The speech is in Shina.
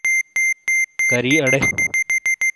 کَرِی اڑے۔